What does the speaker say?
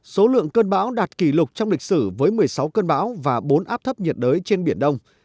số lượng cơn bão đạt kỷ lục trong lịch sử với một mươi sáu cơn bão và bốn áp thấp nhiệt đới trên biển đông